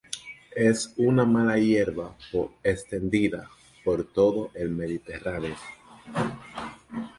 Es una mala hierba extendida por todo el Mediterráneo.